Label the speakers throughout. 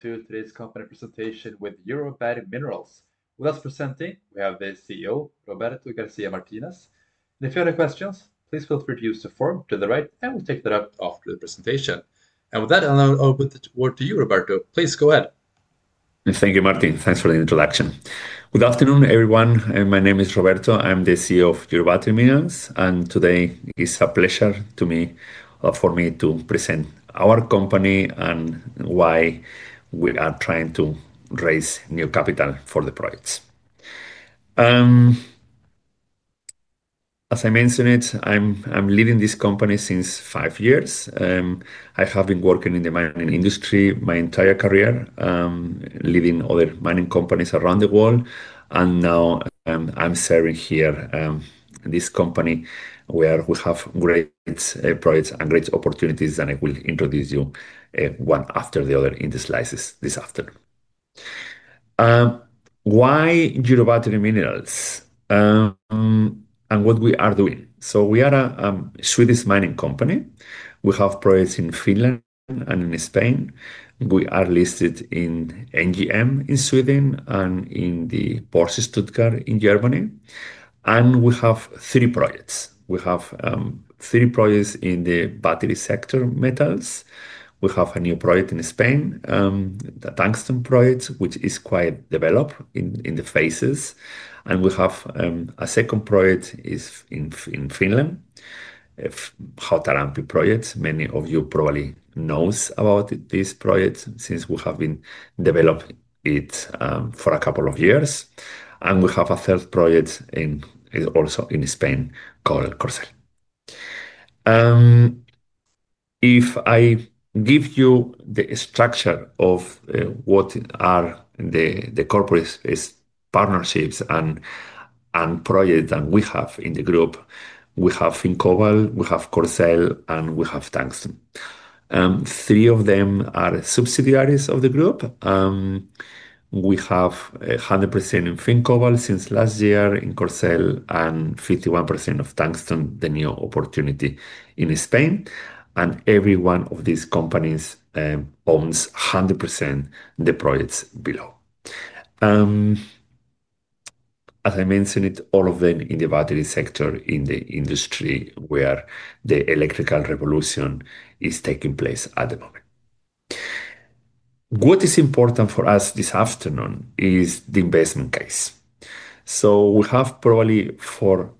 Speaker 1: To today's COPA representation with Eurobattery Minerals. With us presenting, we have the CEO, Roberto García Martínez. If you have any questions, please feel free to use the form to the right, and we'll take that up after the presentation. With that, I'll open the floor to you, Roberto. Please go ahead.
Speaker 2: Thank you, Martin. Thanks for the introduction. Good afternoon, everyone. My name is Roberto. I'm the CEO of Eurobattery Minerals, and today it's a pleasure for me to present our company and why we are trying to raise new capital for the projects. As I mentioned, I'm leading this company since five years. I have been working in the mining industry my entire career, leading other mining companies around the world. Now I'm serving here in this company where we have great projects and great opportunities, and I will introduce you one after the other in the slides this afternoon. Why Eurobattery Minerals and what we are doing? We are a Swedish mining company. We have projects in Finland and in Spain. We are listed in NGM in Sweden and in the Börse Stuttgart in Germany. We have three projects. We have three projects in the battery sector metals. We have a new project in Spain, a tungsten project, which is quite developed in the phases. We have a second project in Finland, a Hautalampi project. Many of you probably know about this project since we have been developing it for a couple of years. We have a third project also in Spain called Corcel. If I give you the structure of what are the corporate partnerships and projects that we have in the group, we have FinnCobalt, we have Corcel, and we have Tungsten. Three of them are subsidiaries of the group. We have 100% in FinnCobalt since last year in Corcel and 51% of Tungsten, the new opportunity in Spain. Every one of these companies owns 100% the projects below. As I mentioned, all of them in the battery sector in the industry where the electrical revolution is taking place at the moment. What is important for us this afternoon is the investment case. We have probably four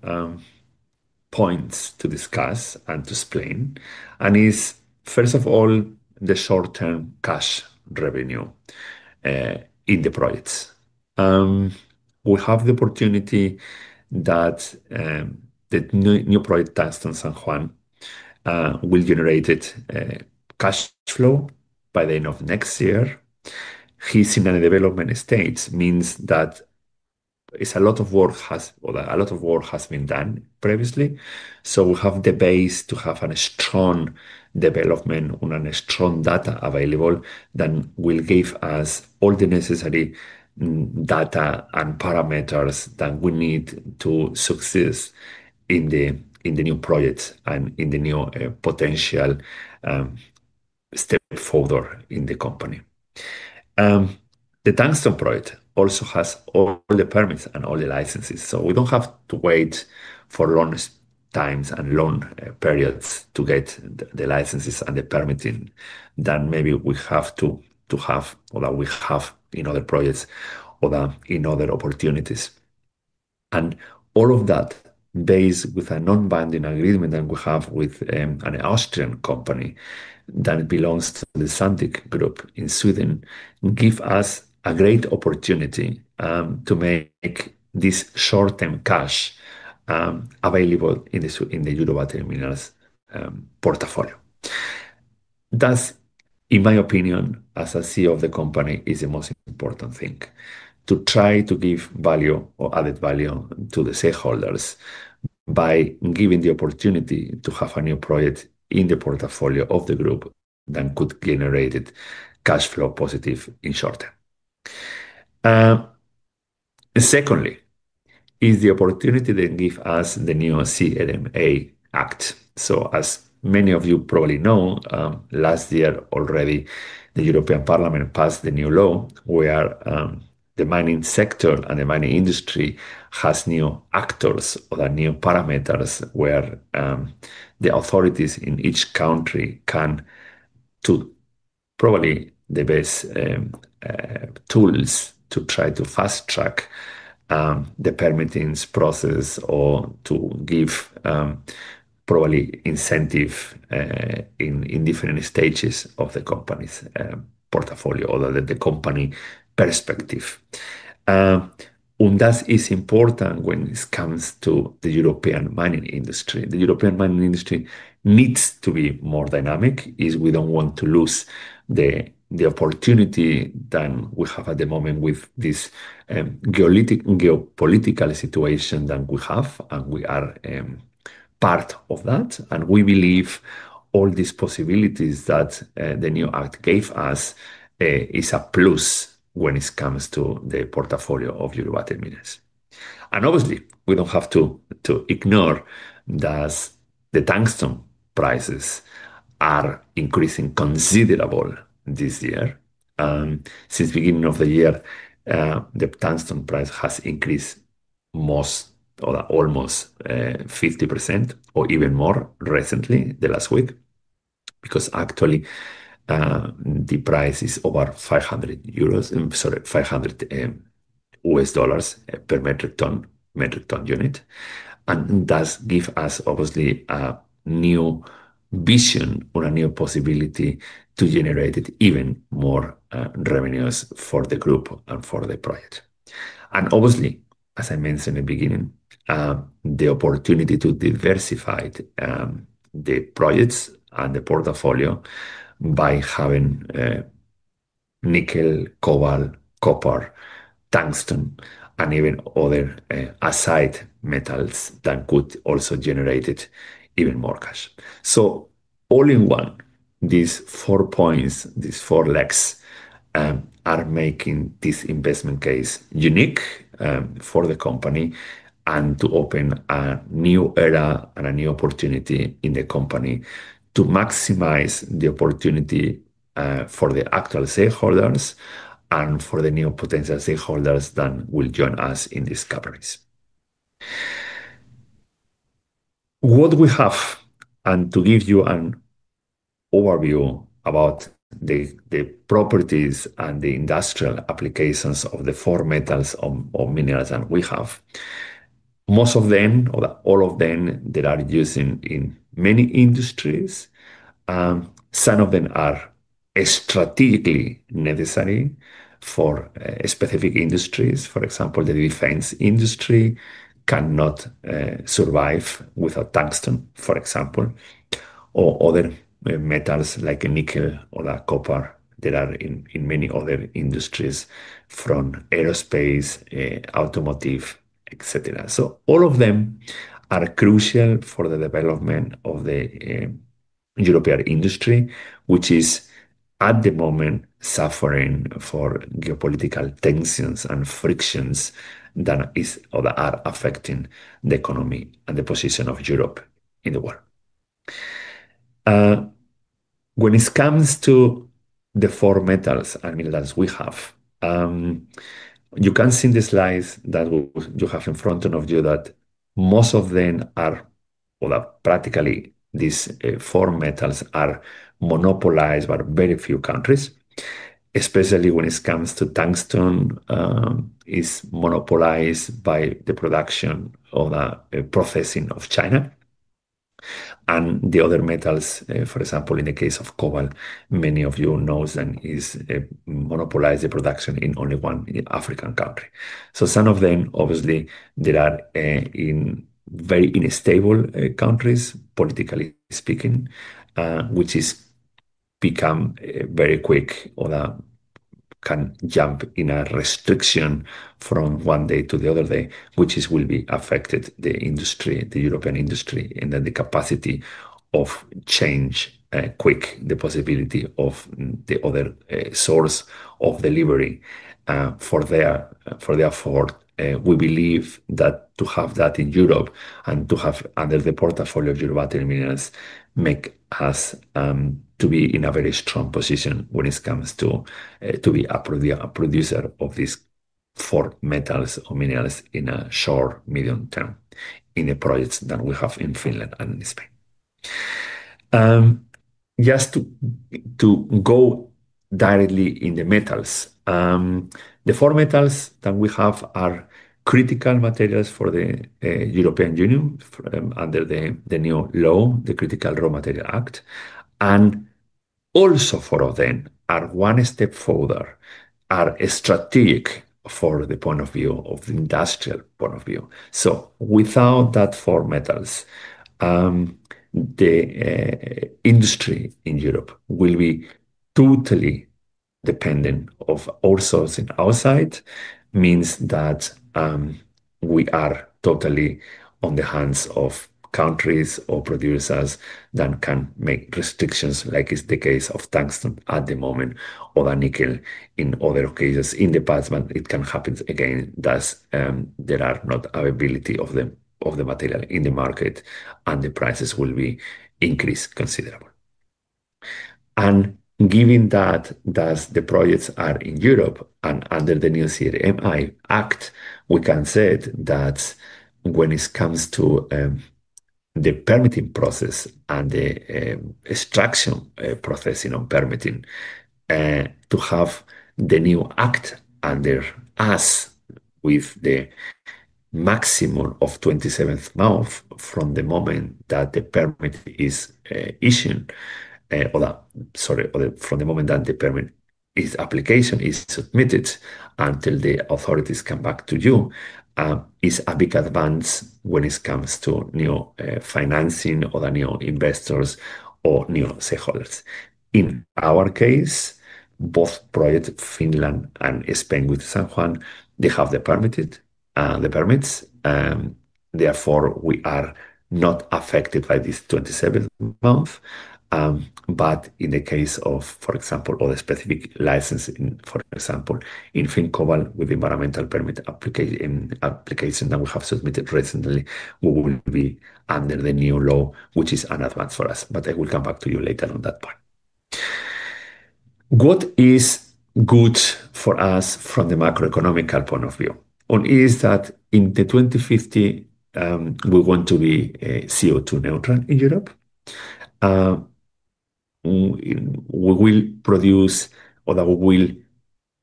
Speaker 2: points to discuss and to explain. It's, first of all, the short-term cash revenue in the projects. We have the opportunity that the new project, Tungsten San Juan, will generate cash flow by the end of next year. He's in a development stage, means that a lot of work has been done previously. We have the base to have a strong development on a strong data available that will give us all the necessary data and parameters that we need to succeed in the new projects and in the new potential step forward in the company. The Tungsten project also has all the permits and all the licenses. We don't have to wait for long times and long periods to get the licenses and the permitting that maybe we have to have or that we have in other projects or in other opportunities. All of that, based with a non-binding agreement that we have with an Austrian company that belongs to the Sandvik Group in Sweden, gives us a great opportunity to make this short-term cash available in the Eurobattery Minerals portfolio. That's, in my opinion, as CEO of the company, the most important thing, to try to give value or added value to the stakeholders by giving the opportunity to have a new project in the portfolio of the group that could generate cash flow positive in short term. Secondly, is the opportunity that gives us the new CRMA Act. As many of you probably know, last year already, the European Parliament passed the new law where the mining sector and the mining industry have new actors or the new parameters where the authorities in each country can probably have the best tools to try to fast-track the permitting process or to give probably incentive in different stages of the company's portfolio or the company perspective. That is important when it comes to the European mining industry. The European mining industry needs to be more dynamic as we don't want to lose the opportunity that we have at the moment with this geopolitical situation that we have, and we are part of that. We believe all these possibilities that the new Act gave us are a plus when it comes to the portfolio of Eurobattery Minerals. Obviously, we don't have to ignore that the tungsten prices are increasing considerably this year. Since the beginning of the year, the tungsten price has increased almost 50% or even more recently, the last week, because actually, the price is over $500 per metric ton unit. That gives us obviously a new vision or a new possibility to generate even more revenues for the group and for the project. Obviously, as I mentioned in the beginning, the opportunity to diversify the projects and the portfolio by having nickel, cobalt, copper, tungsten, and even other acid metals that could also generate even more cash. All in one, these four points, these four legs are making this investment case unique for the company and to open a new era and a new opportunity in the company to maximize the opportunity for the actual stakeholders and for the new potential stakeholders that will join us in this cooperation. What we have, and to give you an overview about the properties and the industrial applications of the four metals or minerals that we have, most of them, or all of them, that are used in many industries. Some of them are strategically necessary for specific industries. For example, the defense industry cannot survive without tungsten, for example, or other metals like nickel or copper, that are in many other industries from aerospace, automotive, etc. All of them are crucial for the development of the European industry, which is at the moment suffering from geopolitical tensions and frictions that are affecting the economy and the position of Europe in the world. When it comes to the four metals and minerals we have, you can see in the slides that you have in front of you that most of them are, or practically, these four metals are monopolized by very few countries, especially when it comes to tungsten, is monopolized by the production or the processing of China. The other metals, for example, in the case of cobalt, many of you know that is monopolized the production in only one African country. Some of them, obviously, they are in very instable countries, politically speaking, which become very quick or that can jump in a restriction from one day to the other day, which will affect the industry, the European industry, and then the capacity of change quickly, the possibility of the other source of delivery for their four. We believe that to have that in Europe and to have under the portfolio of Eurobattery Minerals AB makes us to be in a very strong position when it comes to to be a producer of these four metals or minerals in a short medium term in the projects that we have in Finland and in Spain. Just to go directly in the metals, the four metals that we have are critical materials for the European Union under the new law, the CRMA. Also four of them are one step further, are strategic from the point of view of the industrial point of view. Without that four metals, the industry in Europe will be totally dependent of outsourcing outside, means that we are totally on the hands of countries or producers that can make restrictions, like it's the case of tungsten at the moment, or the nickel in other cases. In the past, it can happen again that there is not availability of the material in the market, and the prices will be increased considerably. Given that the projects are in Europe and under the new CRMA Act, we can say that when it comes to the permitting process and the extraction processing on permitting, to have the new Act under us with the maximum of 27 months from the moment that the permit is issued, or sorry, from the moment that the permit application is submitted until the authorities come back to you, is a big advance when it comes to new financing or the new investors or new stakeholders. In our case, both projects, Finland and Spain with Tungsten San Juan, they have the permits. Therefore, we are not affected by this 27 months. In the case of, for example, all the specific licensing, for example, in FinnCobalt Oy with the environmental permit application that we have submitted recently, we will be under the new law, which is an advance for us. I will come back to you later on that part. What is good for us from the macroeconomical point of view? One is that in 2050, we want to be CO2 neutral in Europe. We will produce or we will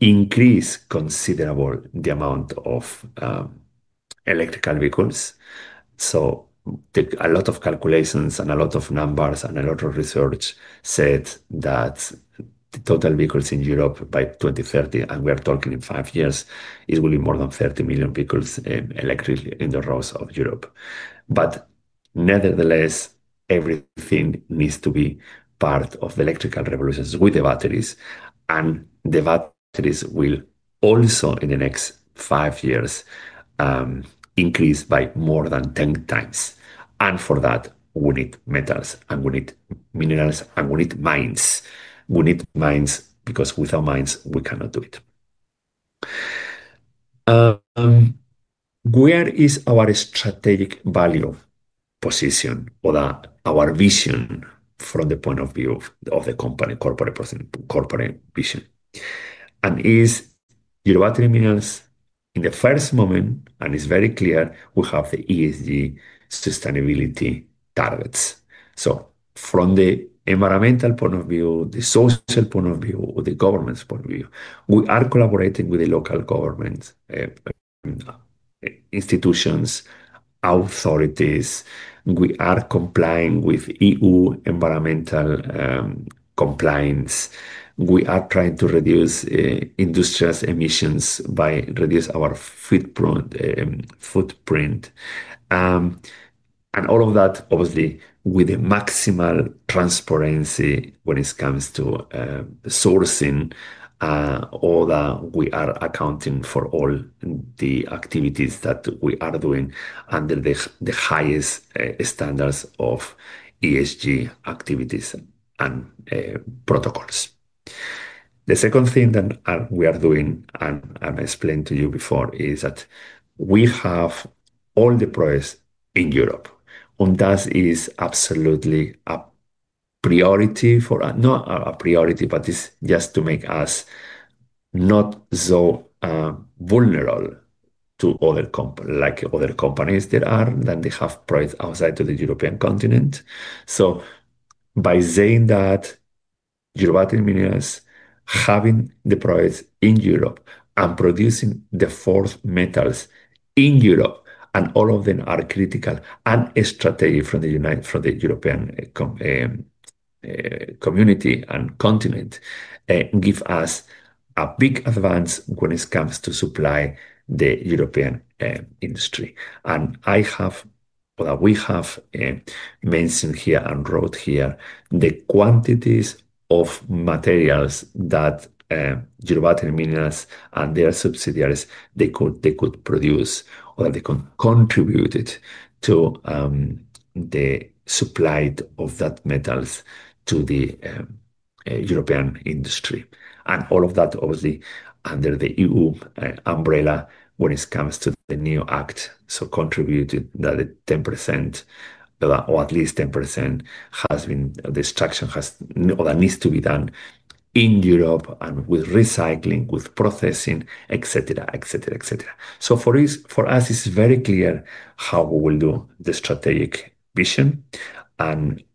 Speaker 2: increase considerably the amount of electrical vehicles. A lot of calculations and a lot of numbers and a lot of research says that the total vehicles in Europe by 2030, and we are talking in five years, it will be more than 30 million vehicles electric in the roads of Europe. Nevertheless, everything needs to be part of the electrical revolutions with the batteries. The batteries will also, in the next five years, increase by more than 10 times. For that, we need metals and we need minerals and we need mines. We need mines because without mines, we cannot do it. Where is our strategic value position or our vision from the point of view of the company corporate vision? Eurobattery Minerals, in the first moment, and it's very clear, we have the ESG sustainability targets. From the environmental point of view, the social point of view, or the governance point of view, we are collaborating with the local government, institutions, authorities, and we are complying with EU environmental compliance. We are trying to reduce industrial emissions by reducing our footprint. All of that, obviously, with the maximal transparency when it comes to sourcing or that we are accounting for all the activities that we are doing under the highest standards of ESG activities and protocols. The second thing that we are doing, and I explained to you before, is that we have all the projects in Europe. That is absolutely a priority for us, not a priority, but it's just to make us not so vulnerable to other companies, like other companies that have projects outside of the European continent. By saying that Eurobattery Minerals having the projects in Europe and producing the four metals in Europe, and all of them are critical and strategic from the European community and continent, gives us a big advance when it comes to supply the European industry. I have, or that we have mentioned here and wrote here the quantities of materials that Eurobattery Minerals and their subsidiaries, they could produce or that they could contribute to the supply of that metals to the European industry. All of that, obviously, under the EU umbrella when it comes to the new Act, contributing that the 10% or at least 10% has been the extraction that needs to be done in Europe and with recycling, with processing, etc., etc., etc. For us, it's very clear how we will do the strategic vision.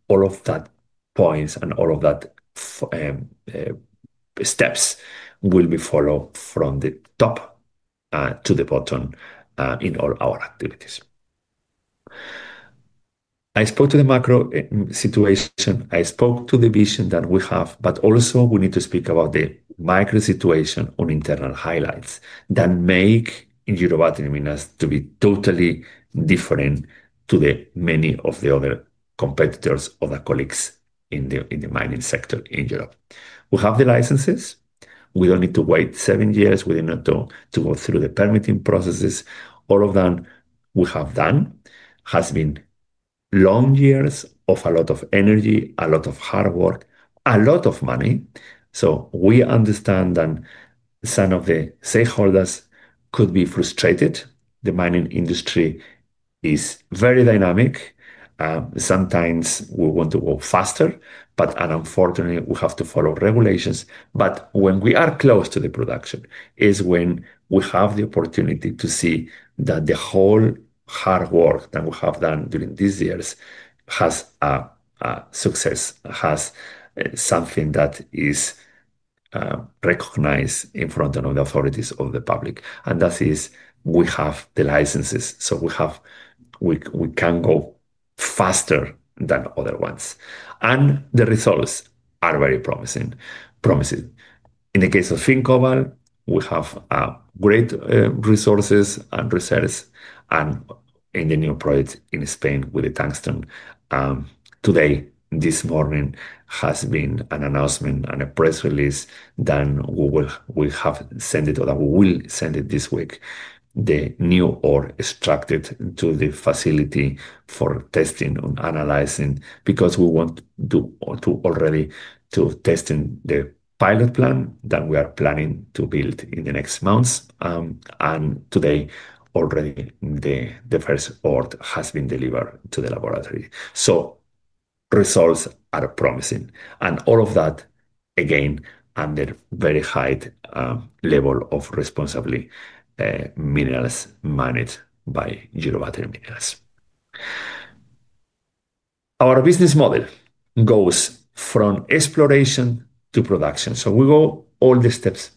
Speaker 2: All of that points and all of that steps will be followed from the top to the bottom in all our activities. I spoke to the macro situation. I spoke to the vision that we have, but also we need to speak about the micro situation on internal highlights that make Eurobattery Minerals to be totally different from many of the other competitors or the colleagues in the mining sector in Europe. We have the licenses. We don't need to wait seven years. We don't need to go through the permitting processes. All of that we have done has been long years of a lot of energy, a lot of hard work, a lot of money. We understand that some of the stakeholders could be frustrated. The mining industry is very dynamic. Sometimes we want to go faster, but unfortunately, we have to follow regulations. When we are close to the production is when we have the opportunity to see that the whole hard work that we have done during these years has a success, has something that is recognized in front of the authorities of the public. That is we have the licenses. We can go faster than other ones. The results are very promising. In the case of FinnCobalt Oy, we have great resources and research. In the new project in Spain with the tungsten, this morning there has been an announcement and a press release that we will send this week, the new ore extracted to the facility for testing and analyzing because we want to already test the pilot plan that we are planning to build in the next months. Today, already the first ore has been delivered to the laboratory. Results are promising. All of that, again, under a very high level of responsibility, minerals managed by Eurobattery Minerals. Our business model goes from exploration to production. We go all the steps.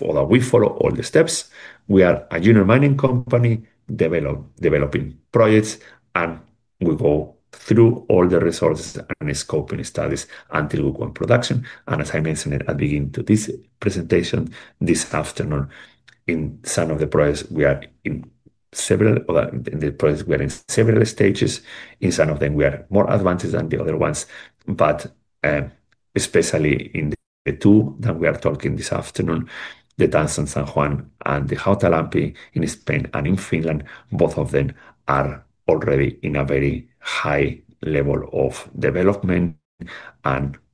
Speaker 2: We follow all the steps. We are a junior mining company developing projects, and we go through all the resources and scoping studies until we go in production. As I mentioned at the beginning of this presentation, this afternoon, in the projects, we are in several stages. In some of them, we are more advanced than the other ones. Especially in the two that we are talking this afternoon, the Tungsten San Juan and the Hautalampi in Spain and in Finland, both of them are already in a very high level of development.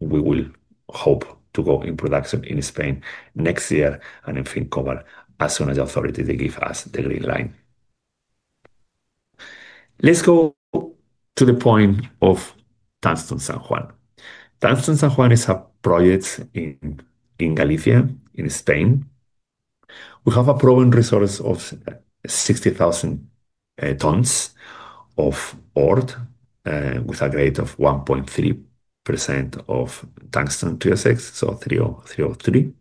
Speaker 2: We hope to go in production in Spain next year and in FinnCobalt as soon as the authorities give us the green light. Let's go to the point of Tungsten San Juan. Tungsten San Juan is a project in Galicia, in Spain. We have a proven resource of 60,000 tons of ore with a rate of 1.3% of tungsten 306, so 303.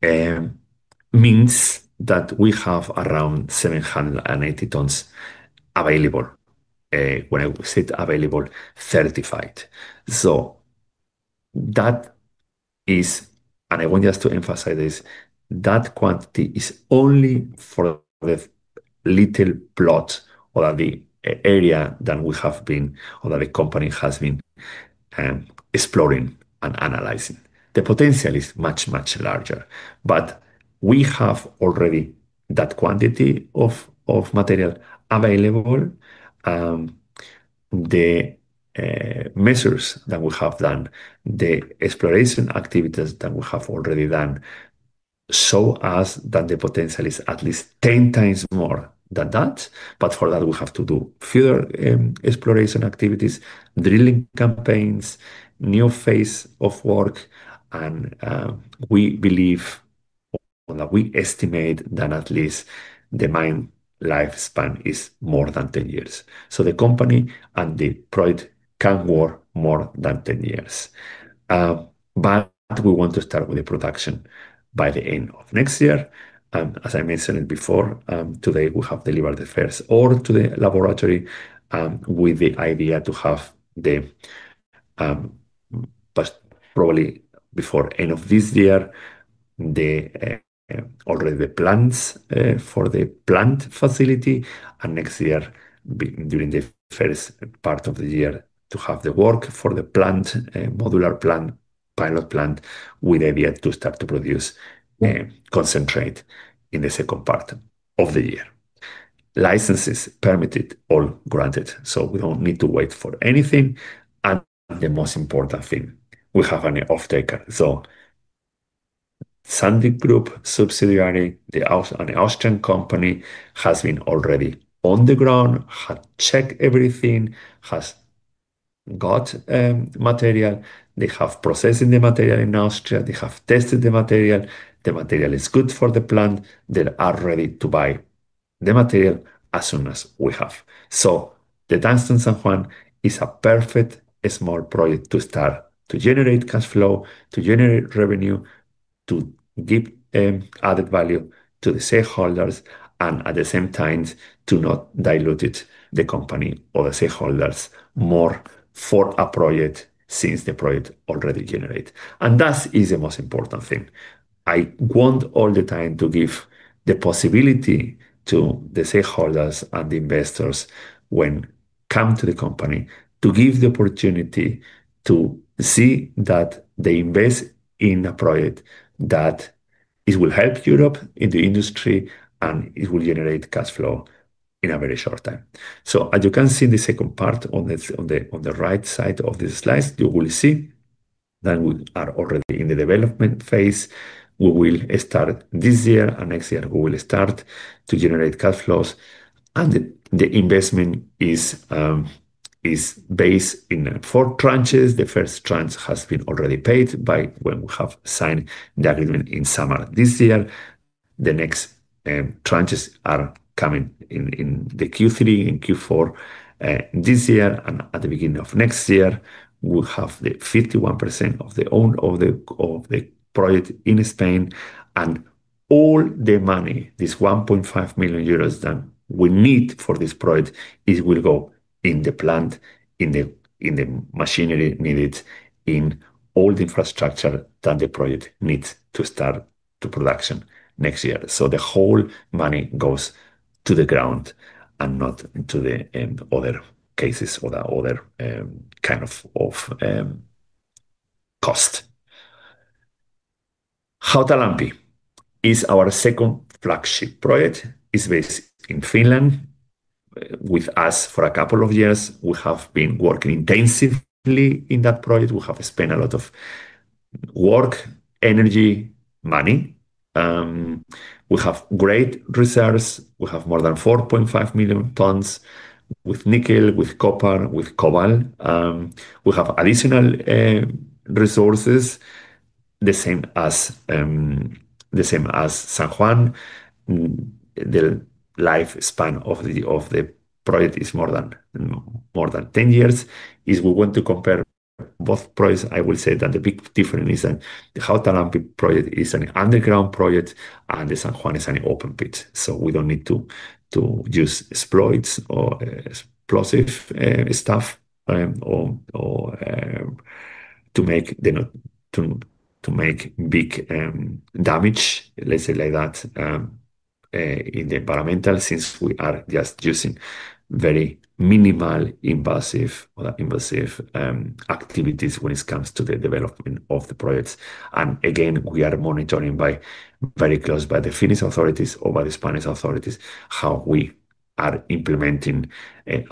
Speaker 2: It means that we have around 780 tons available, when I say available, certified. That is, and I want just to emphasize this, that quantity is only for the little plot or the area that we have been or that the company has been exploring and analyzing. The potential is much, much larger. We have already that quantity of material available. The measures that we have done, the exploration activities that we have already done, show us that the potential is at least 10 times more than that. For that, we have to do further exploration activities, drilling campaigns, new phase of work. We believe or we estimate that at least the mine lifespan is more than 10 years. The company and the project can work more than 10 years. We want to start with the production by the end of next year. As I mentioned before, today we have delivered the first orb to the laboratory with the idea to have, probably before the end of this year, already the plans for the plant facility. Next year, during the first part of the year, we plan to have the work for the plant, modular plant, pilot plant, with the idea to start to produce a concentrate in the second part of the year. Licenses permitted, all granted. We don't need to wait for anything. The most important thing, we have an off-taker. Sandvik Group subsidiary, the Austrian company, has already been on the ground, has checked everything, has got material. They have processed the material in Austria. They have tested the material. The material is good for the plant. They are ready to buy the material as soon as we have it. Tungsten San Juan is a perfect small project to start to generate cash flow, to generate revenue, to give added value to the stakeholders, and at the same time, to not dilute the company or the stakeholders more for a project since the project already generates. That is the most important thing. I want all the time to give the possibility to the stakeholders and the investors when they come to the company to give the opportunity to see that they invest in a project that will help Europe in the industry and it will generate cash flow in a very short time. As you can see in the second part on the right side of the slides, you will see that we are already in the development phase. We will start this year and next year, we will start to generate cash flows. The investment is based in four tranches. The first tranche has already been paid when we signed the agreement in summer this year. The next tranches are coming in Q3 and Q4 this year. At the beginning of next year, we'll have 51% of the project in Spain. All the money, this €1.5 million that we need for this project, will go in the plant, in the machinery needed, in all the infrastructure that the project needs to start production next year. The whole money goes to the ground and not to the other cases or the other kind of cost. Hautalampi is our second flagship project. It's based in Finland. With us for a couple of years, we have been working intensively in that project. We have spent a lot of work, energy, money. We have great research. We have more than 4.5 million tons with nickel, with copper, with cobalt. We have additional resources, the same as San Juan. The lifespan of the project is more than 10 years. If we want to compare both projects, I will say that the big difference is that the Hautalampi project is an underground project and the Tungsten San Juan is an open pit. We don't need to use explosive stuff to make big damage, let's say like that, in the environment since we are just using very minimal invasive activities when it comes to the development of the projects. We are monitoring very close by the Finnish authorities or by the Spanish authorities how we are implementing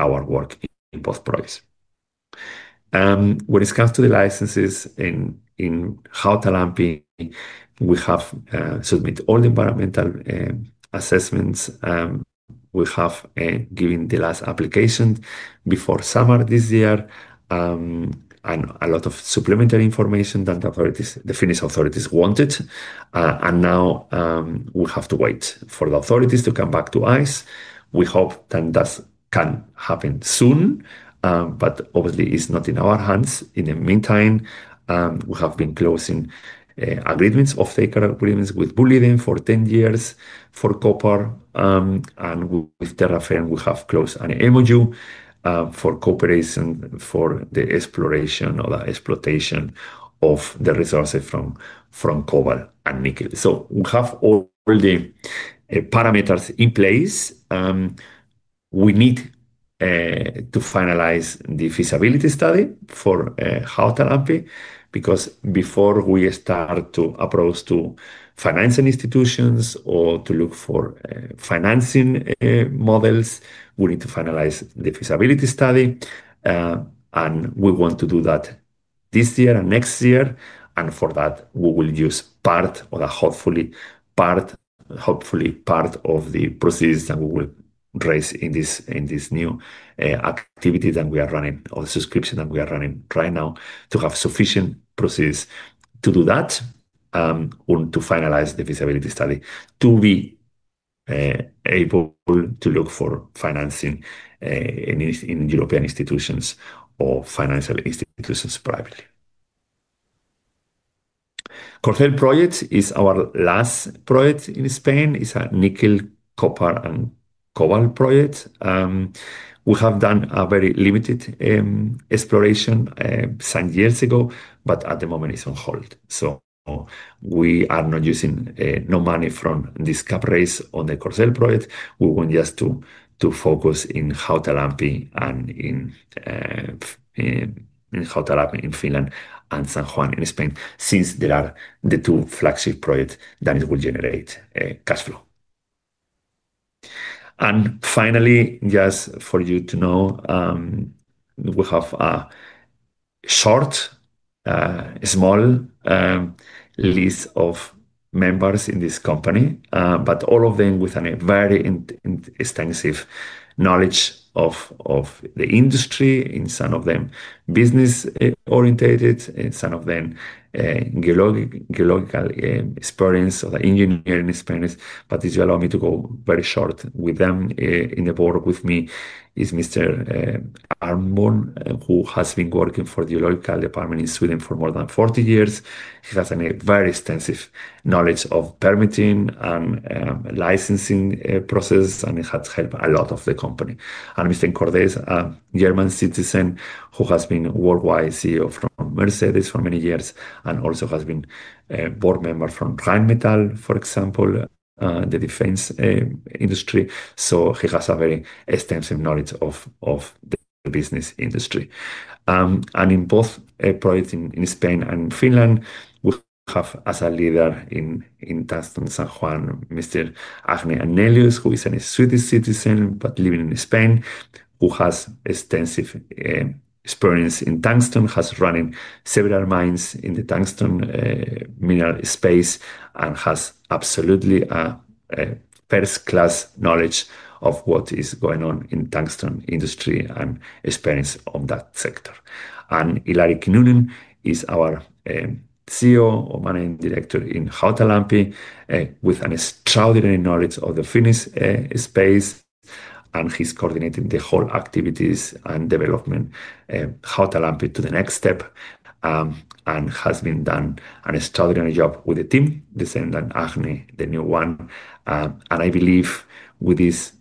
Speaker 2: our work in both projects. When it comes to the licenses in Hautalampi, we have submitted all the environmental assessments. We have given the last application before summer this year and a lot of supplementary information that the Finnish authorities wanted. Now we have to wait for the authorities to come back to us. We hope that that can happen soon, but obviously, it's not in our hands. In the meantime, we have been closing offtake agreements with Boliden AB for 10 years for copper. With Terrafame Ltd, we have closed an MOU for cooperation for the exploration or the exploitation of the resources from cobalt and nickel. We have all the parameters in place. We need to finalize the feasibility study for Hautalampi because before we start to approach financing institutions or to look for financing models, we need to finalize the feasibility study. We want to do that this year and next year. For that, we will use part or hopefully part of the proceeds that we will raise in this new activity that we are running or the subscription that we are running right now to have sufficient proceeds to do that and to finalize the feasibility study to be able to look for financing in European institutions or financial institutions privately. Corcel is our last project in Spain. It's a nickel, copper, and cobalt project. We have done a very limited exploration some years ago, but at the moment, it's on hold. We are not using any money from this capital raise on the Corcel project. We want just to focus in Hautalampi in Finland and Tungsten San Juan in Spain since they are the two flagship projects that will generate cash flow. Finally, just for you to know, we have a short, small list of members in this company, but all of them with a very extensive knowledge of the industry. Some of them business-orientated, some of them geological experience or the engineering experience. If you allow me to go very short with them, on the board with me is Mr. Arbon, who has been working for the Geological Department in Sweden for more than 40 years. He has a very extensive knowledge of permitting and licensing processes and has helped a lot of the company. Mr. Cordez, a German citizen who has been worldwide CEO of Mercedes for many years, also has been a board member from Rheinmetall, for example, the defense industry. He has a very extensive knowledge of the business industry. In both projects in Spain and Finland, we have as a leader in Tungsten San Juan, Mr. Agne Nelius, who is a Swedish citizen but living in Spain, who has extensive experience in tungsten, has run several mines in the tungsten mineral space, and has absolutely a first-class knowledge of what is going on in the tungsten industry and experience of that sector. Ilari Knudin is our CEO or Managing Director in Hautalampi, with an extraordinary knowledge of the Finnish space. He's coordinated the whole activities and development of Hautalampi to the next step and has been doing an extraordinary job with the team, the same as Agne, the new one. I believe with this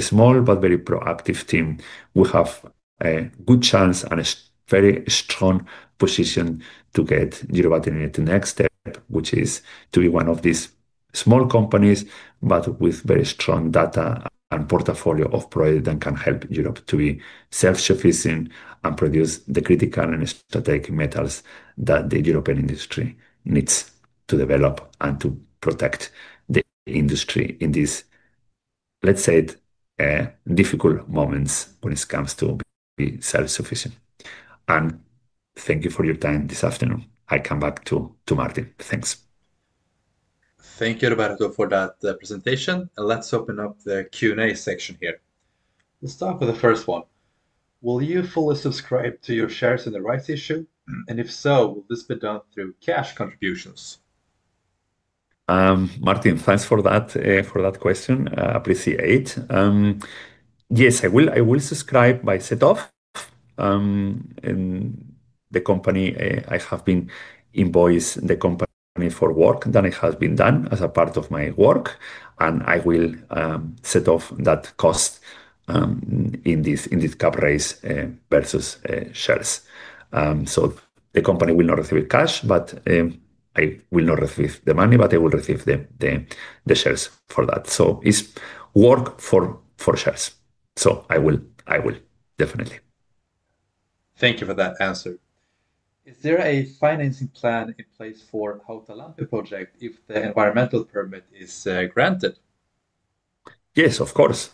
Speaker 2: small but very proactive team, we have a good chance and a very strong position to get Eurobattery Minerals AB to the next step, which is to be one of these small companies, but with very strong data and portfolio of projects that can help Europe to be self-sufficient and produce the critical and strategic metals that the European industry needs to develop and to protect the industry in these, let's say, difficult moments when it comes to being self-sufficient. Thank you for your time this afternoon. I come back to Martin. Thanks.
Speaker 1: Thank you, Roberto, for that presentation. Let's open up the Q&A section here. Let's start with the first one. Will you fully subscribe to your shares in the rights issue? If so, will this be done through cash contributions?
Speaker 2: Martin, thanks for that question. I appreciate it. Yes, I will subscribe by set-off. The company, I have been invoicing the company for work that has been done as a part of my work, and I will set off that cost in this COP race versus shares. The company will not receive cash, but I will not receive the money, but I will receive the shares for that. It's work for shares. I will definitely.
Speaker 1: Thank you for that answer. Is there a financing plan in place for the Hautalampi project if the environmental permit is granted?
Speaker 2: Yes, of course.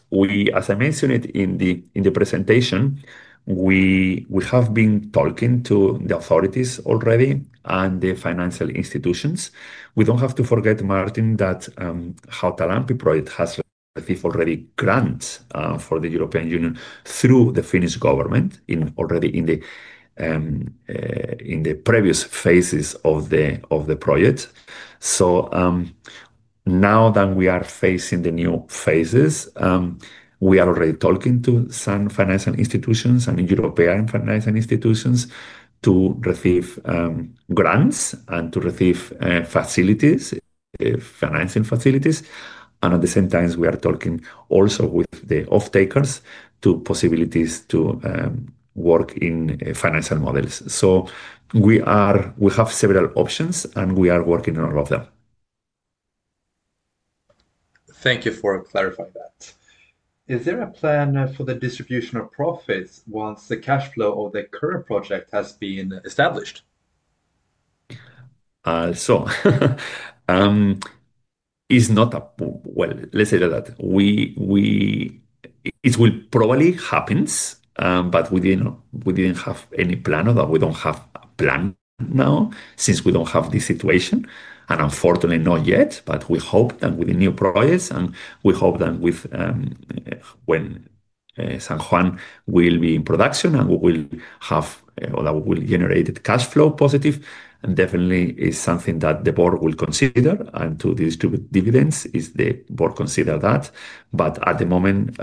Speaker 2: As I mentioned in the presentation, we have been talking to the authorities already and the financial institutions. We don't have to forget, Martin, that the Hautalampi project has received already grants from the European Union through the Finnish government already in the previous phases of the project. Now that we are facing the new phases, we are already talking to some financial institutions and European financial institutions to receive grants and to receive financing facilities. At the same time, we are talking also with the off-takers about possibilities to work in financial models. We have several options, and we are working on all of them.
Speaker 1: Thank you for clarifying that. Is there a plan for the distribution of profits once the cash flow of the current project has been established?
Speaker 2: It will probably happen, but we didn't have any plan or we don't have a plan now since we don't have this situation. Unfortunately, not yet, but we hope that with the new projects and we hope that when Tungsten San Juan will be in production and we will have or that we will generate cash flow positive, definitely it's something that the board will consider and to distribute dividends if the board considers that. At the moment,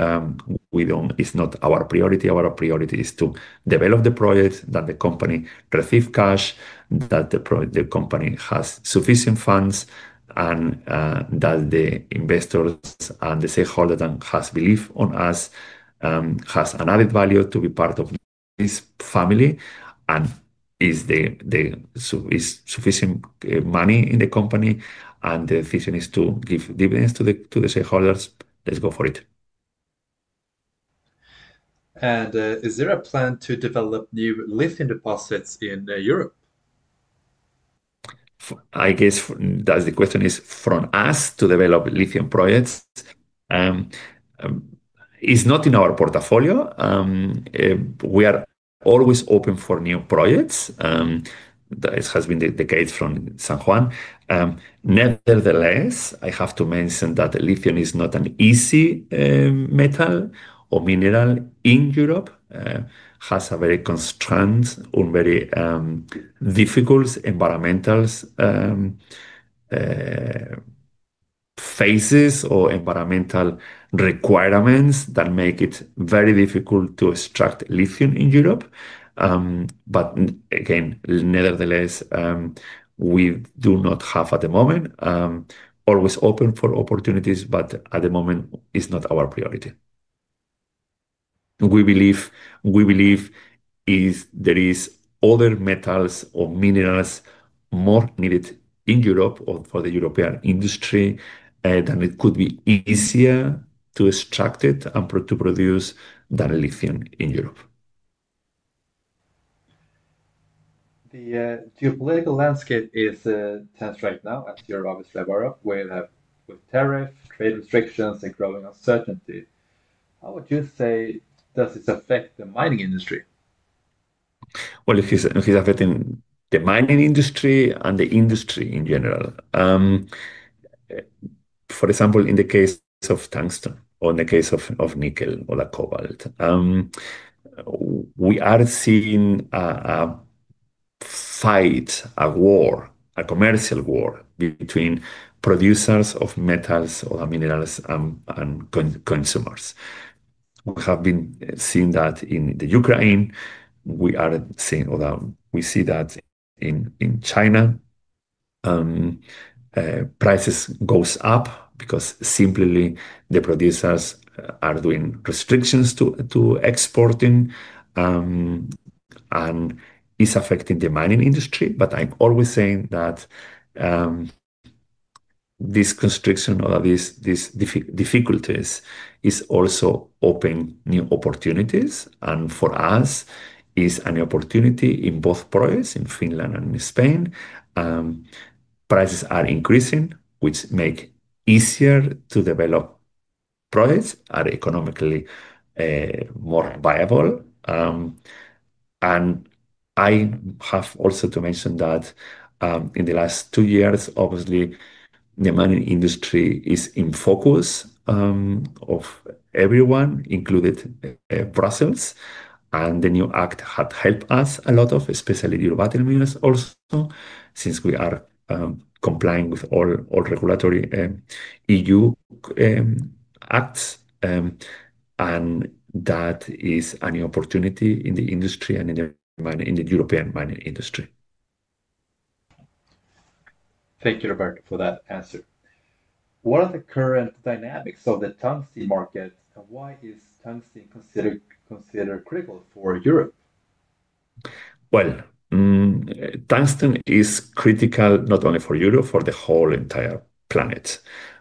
Speaker 2: it's not our priority. Our priority is to develop the project, that the company receives cash, that the company has sufficient funds, and that the investors and the stakeholders that have believed in us have added value to be part of this family. If there is sufficient money in the company and the decision is to give dividends to the stakeholders, let's go for it.
Speaker 1: Is there a plan to develop new lithium deposits in Europe?
Speaker 2: I guess that the question is from us to develop lithium projects. It's not in our portfolio. We are always open for new projects. This has been the case from Tungsten San Juan. Nevertheless, I have to mention that lithium is not an easy metal or mineral in Europe. It has a very constraint on very difficult environmental phases or environmental requirements that make it very difficult to extract lithium in Europe. Nevertheless, we do not have at the moment. Always open for opportunities, but at the moment, it's not our priority. We believe if there are other metals or minerals more needed in Europe or for the European industry, then it could be easier to extract it and to produce that lithium in Europe.
Speaker 1: The geopolitical landscape is tense right now after Obama's farewell. We have tariffs, trade restrictions, and growing uncertainty. How would you say does this affect the mining industry?
Speaker 2: If it's affecting the mining industry and the industry in general, for example, in the case of tungsten or in the case of nickel or cobalt, we are seeing a fight, a war, a commercial war between producers of metals or minerals and consumers. We have been seeing that in Ukraine. We are seeing or that we see that in China. Prices go up because simply the producers are doing restrictions to exporting, and it's affecting the mining industry. I'm always saying that this constriction or these difficulties also open new opportunities. For us, it's an opportunity in both projects in Finland and in Spain. Prices are increasing, which makes it easier to develop projects that are economically more viable. I have also to mention that in the last two years, obviously, the mining industry is in focus of everyone, including Brussels. The new act has helped us a lot, especially Eurobattery Minerals also, since we are complying with all regulatory EU acts. That is a new opportunity in the industry and in the European mining industry.
Speaker 1: Thank you, Roberto, for that answer. What are the current dynamics of the tungsten markets, and why is tungsten considered critical for Europe?
Speaker 2: Tungsten is critical not only for Europe, for the whole entire planet.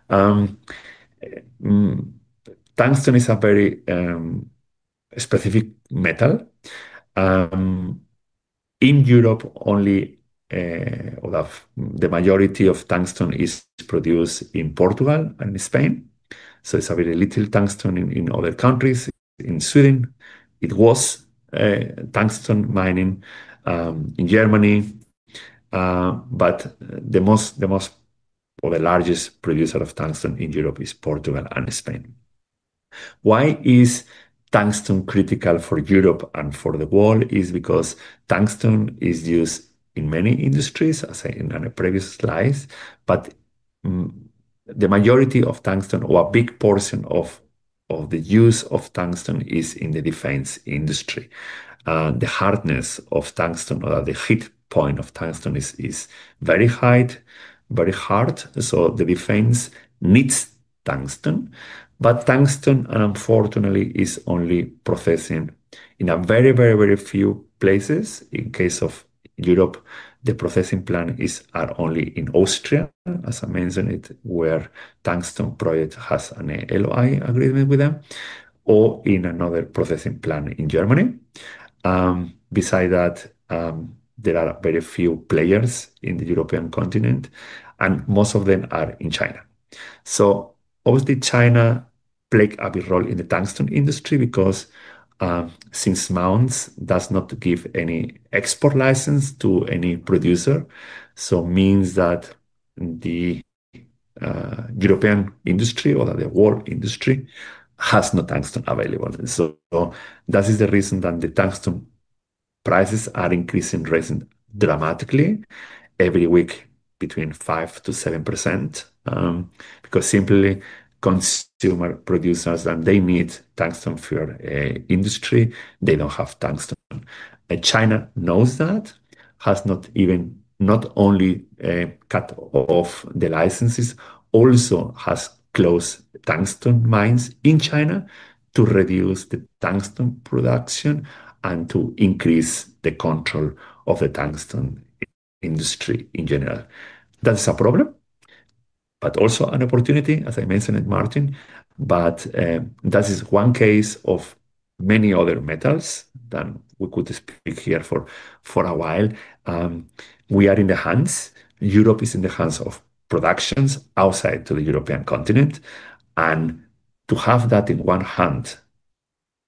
Speaker 2: Tungsten is a very specific metal. In Europe, only the majority of tungsten is produced in Portugal and in Spain. It is very little tungsten in other countries. In Sweden, it was tungsten mining in Germany. The most or the largest producer of tungsten in Europe is Portugal and Spain. Why is tungsten critical for Europe and for the world? It's because tungsten is used in many industries, as I said in the previous slides. The majority of tungsten, or a big portion of the use of tungsten, is in the defense industry. The hardness of tungsten, or the heat point of tungsten, is very high, very hard. The defense needs tungsten. Unfortunately, tungsten is only processing in a very, very, very few places. In the case of Europe, the processing plant is only in Austria, as I mentioned, where the tungsten project has an LOI agreement with them, or in another processing plant in Germany. Besides that, there are very few players in the European continent, and most of them are in China. Obviously, China plays a big role in the tungsten industry because since Mainz does not give any export license to any producer, it means that the European industry or the world industry has no tungsten available. That is the reason that the tungsten prices are increasing recently dramatically, every week between 5% to 7%, because simply consumer producers that need tungsten for their industry, they don't have tungsten. China knows that, has not even not only cut off the licenses, also has closed tungsten mines in China to reduce the tungsten production and to increase the control of the tungsten industry in general. That's a problem, but also an opportunity, as I mentioned in Martin. That is one case of many other metals that we could speak here for a while. We are in the hands, Europe is in the hands of productions outside of the European continent. To have that in one hand,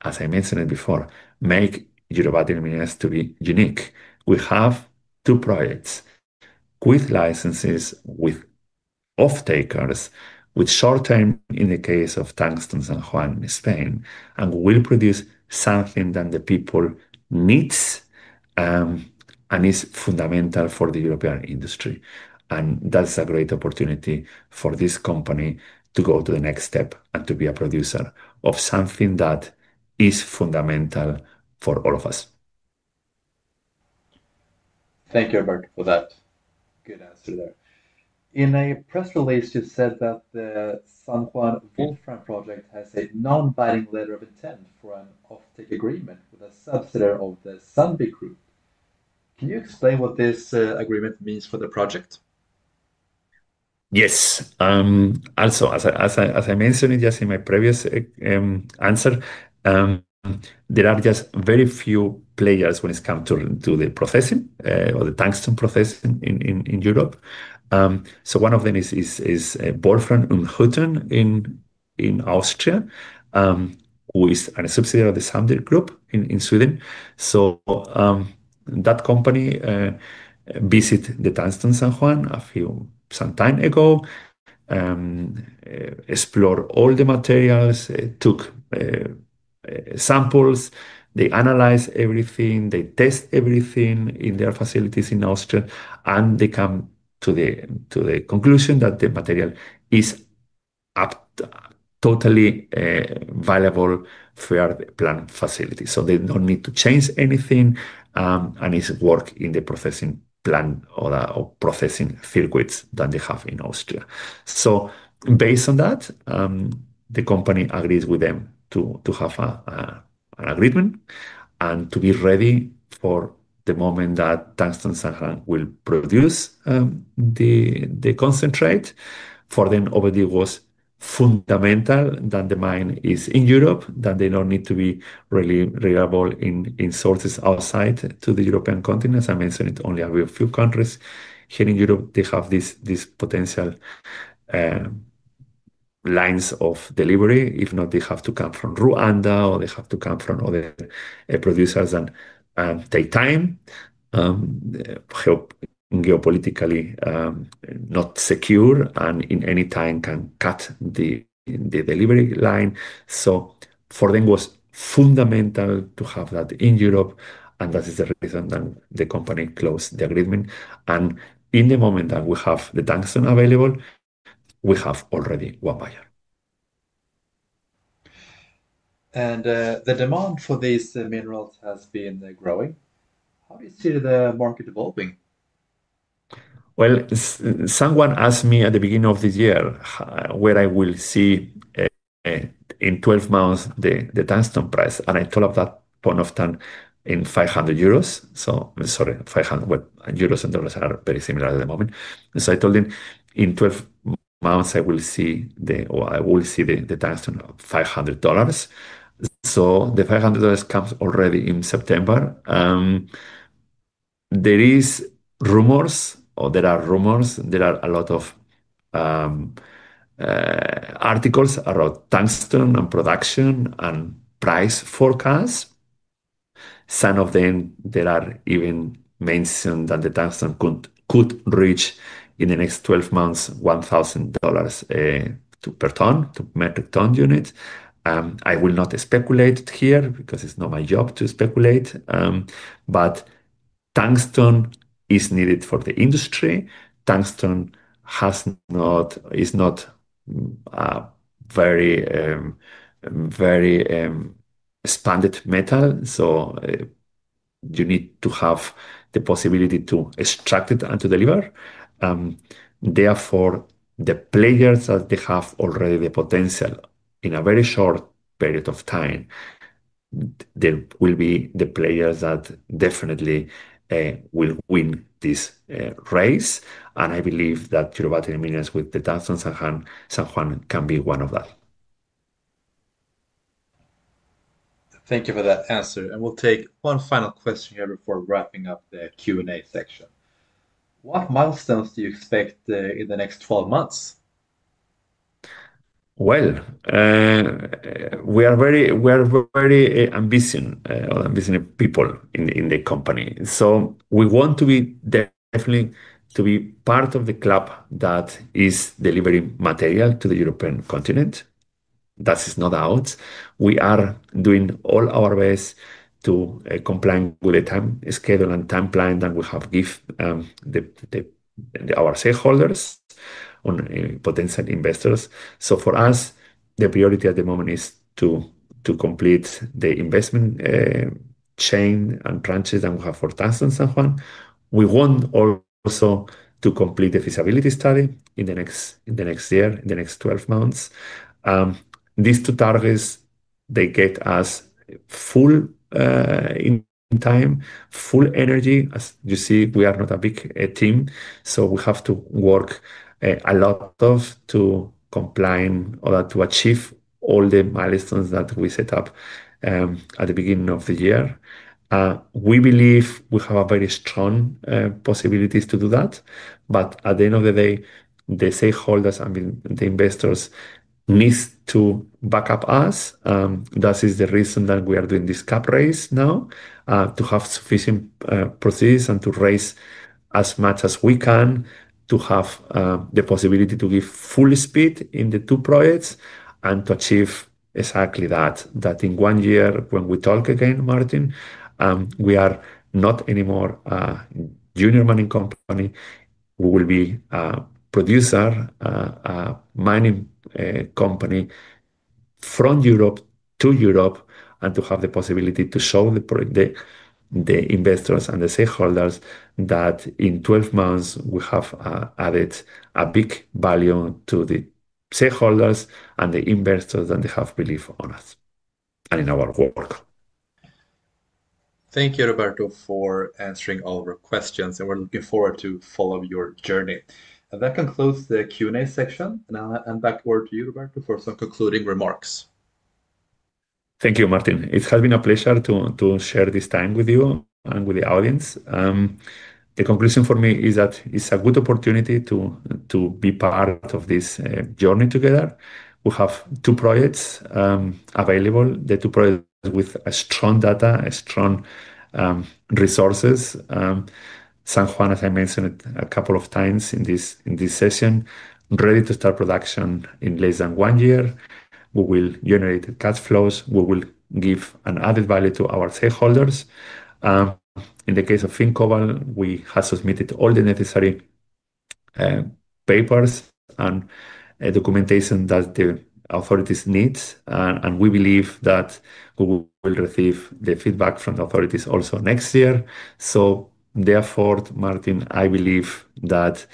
Speaker 2: as I mentioned before, makes Eurobattery Minerals to be unique. We have two projects with licenses, with off-takers, with short-term in the case of Tungsten San Juan in Spain, and we will produce something that the people need and is fundamental for the European industry. That's a great opportunity for this company to go to the next step and to be a producer of something that is fundamental for all of us.
Speaker 1: Thank you, Roberto, for that good answer there. In a press release, you said that the Tungsten San Juan project has a non-binding letter of intent for an offtake agreement with a subsidiary of the Sandvik Group. Can you explain what this agreement means for the project?
Speaker 2: Yes. As I mentioned just in my previous answer, there are just very few players when it comes to the processing or the tungsten processing in Europe. One of them is Wolfram Bergbau und Hütten AG in Austria, who is a subsidiary of the Sandvik Group in Sweden. That company visited the Tungsten San Juan a few some time ago, explored all the materials, took samples, they analyzed everything, they tested everything in their facilities in Austria, and they came to the conclusion that the material is totally viable for the plant facility. They don't need to change anything and it works in the processing plant or the processing circuits that they have in Austria. Based on that, the company agrees with them to have an agreement and to be ready for the moment that Tungsten San Juan will produce the concentrate. For them, obviously, it was fundamental that the mine is in Europe, that they don't need to be really reliable in sources outside of the European continent. As I mentioned, only a few countries here in Europe, they have these potential lines of delivery. If not, they have to come from Rwanda or they have to come from other producers and take time, help geopolitically not secure, and in any time can cut the delivery line. For them, it was fundamental to have that in Europe. That is the reason that the company closed the agreement. In the moment that we have the tungsten available, we have already one buyer.
Speaker 1: The demand for these minerals has been growing. How do you see the market evolving?
Speaker 2: Someone asked me at the beginning of the year where I will see in 12 months the tungsten price. I told them at that point of time €500. I'm sorry, €500 and dollars are very similar at the moment. I told them in 12 months, I will see the tungsten at $500. The $500 comes already in September. There are rumors, there are a lot of articles about tungsten and production and price forecasts. Some of them even mention that the tungsten could reach in the next 12 months $1,000 per ton, metric ton units. I will not speculate here because it's not my job to speculate. Tungsten is needed for the industry. Tungsten is not a very expanded metal. You need to have the possibility to extract it and to deliver. Therefore, the players that already have the potential in a very short period of time will be the players that definitely will win this race. I believe that Eurobattery Minerals with the Tungsten San Juan can be one of them.
Speaker 1: Thank you for that answer. We'll take one final question here before wrapping up the Q&A section. What milestones do you expect in the next 12 months?
Speaker 2: We are very ambitious people in the company. We want to be definitely part of the club that is delivering material to the European continent. That is not out. We are doing all our best to comply with the time schedule and timeline that we have given our stakeholders and potential investors. For us, the priority at the moment is to complete the investment chain and branches that we have for Tungsten San Juan. We want also to complete the feasibility study in the next year, in the next 12 months. These two targets, they get us full in time, full energy. As you see, we are not a big team. We have to work a lot to comply or to achieve all the milestones that we set up at the beginning of the year. We believe we have very strong possibilities to do that. At the end of the day, the stakeholders, I mean, the investors need to back up us. That is the reason that we are doing this COP race now, to have sufficient proceeds and to raise as much as we can to have the possibility to give full speed in the two projects and to achieve exactly that. In one year, when we talk again, Martin, we are not anymore a junior mining company. We will be a producer, a mining company from Europe to Europe and to have the possibility to show the investors and the stakeholders that in 12 months, we have added a big value to the stakeholders and the investors that they have believed in us and in our work.
Speaker 1: Thank you, Roberto, for answering all of our questions. We're looking forward to following your journey. That concludes the Q&A section. I'm back to you, Roberto, for some concluding remarks.
Speaker 2: Thank you, Martin. It has been a pleasure to share this time with you and with the audience. The conclusion for me is that it's a good opportunity to be part of this journey together. We have two projects available, the two projects with strong data, strong resources. Tungsten San Juan, as I mentioned a couple of times in this session, is ready to start production in less than one year. We will generate cash flows. We will give an added value to our stakeholders. In the case of FinnCobalt Oy, we have submitted all the necessary papers and documentation that the authorities need. We believe that we will receive the feedback from the authorities also next year. Therefore, Martin, I believe that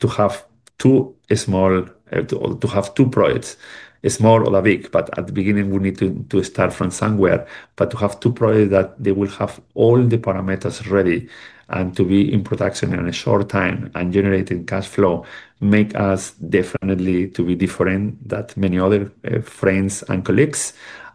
Speaker 2: to have two small, to have two projects, a small or a big, but at the beginning, we need to start from somewhere. To have two projects that they will have all the parameters ready and to be in production in a short time and generating cash flow makes us definitely to be different than many other friends and colleagues.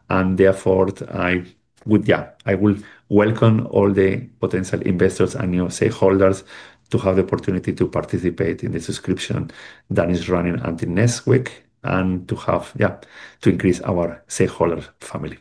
Speaker 2: Therefore, I would, yeah, I will welcome all the potential investors and your stakeholders to have the opportunity to participate in the subscription that is running until next week and to have, yeah, to increase our stakeholder family.